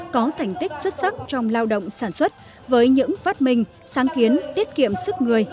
có thành tích xuất sắc trong lao động sản xuất với những phát minh sáng kiến tiết kiệm sức người